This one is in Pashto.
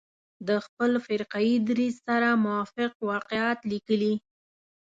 د خپل فرقه يي دریځ سره موافق واقعات لیکلي.